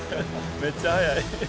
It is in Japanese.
めっちゃ早い。